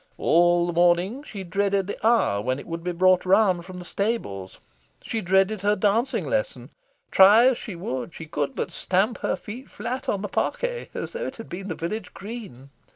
All the morning, she dreaded the hour when it would be brought round from the stables. She dreaded her dancing lesson. Try as she would, she could but stamp her feet flat on the parquet, as though it had been the village green.